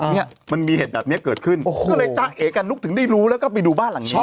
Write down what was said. เนี่ยมันมีเหตุแบบนี้เกิดขึ้นโอ้โหก็เลยจ๊ะเอกกับนุ๊กถึงได้รู้แล้วก็ไปดูบ้านหลังนี้